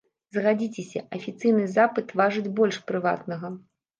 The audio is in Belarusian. Згадзіцеся, афіцыйны запыт важыць больш прыватнага.